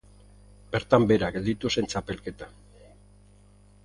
Bertan behera gelditu zen txapelketa.